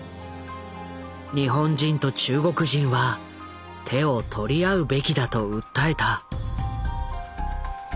日本人と中国人は手を取り合うべきだと訴えた。